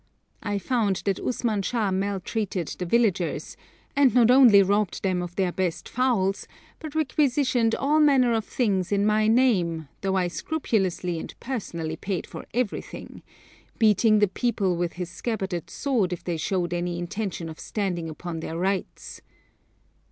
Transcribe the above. I found that Usman Shah maltreated the villagers, and not only robbed them of their best fowls, but requisitioned all manner of things in my name, though I scrupulously and personally paid for everything, beating the people with his scabbarded sword if they showed any intention of standing upon their rights.